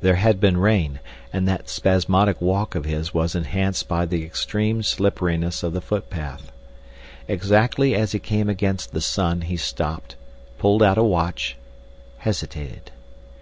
There had been rain, and that spasmodic walk of his was enhanced by the extreme slipperiness of the footpath. Exactly as he came against the sun he stopped, pulled out a watch, hesitated.